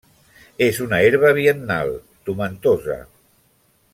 És una herba biennal, tomentosa.